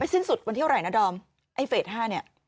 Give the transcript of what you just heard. ไปสิ้นสุดวันที่อะไรนะดอมไอ้เฟส๕เนี่ย